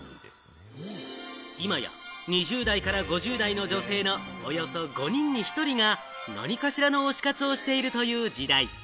今や、２０代から５０代の女性のおよそ５人に１人が、何かしらの推し活をしているという時代。